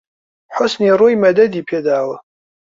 حوسنی ڕووی مەدەدی پێ داوە